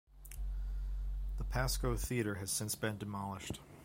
The Pasco theater has since been demolished.